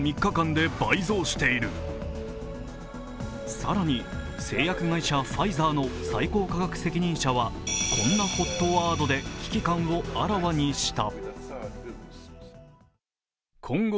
更に、製薬会社ファイザーの最高科学責任者はこんなＨＯＴワードで危機感をあらわにした。